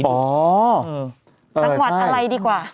อ๋อจังหวัดอะไรดีกว่า